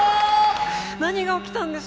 何が起きたんだ。